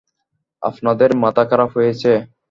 আপনাদের মাথা খারাপ হয়েছে?